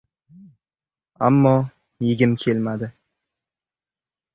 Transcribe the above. Ammo yegim kelmadi.